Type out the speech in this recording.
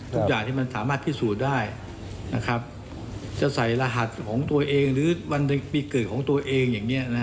ทุกอย่างที่มันสามารถพิสูจน์ได้จะใส่รหัสของตัวเองหรือวันปีเกิดของตัวเองอย่างนี้